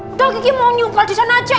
udah kiki mau nyumpel di sana aja